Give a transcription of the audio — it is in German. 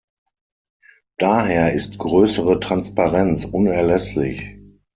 Daher ist größere Transparenz unerlässlich.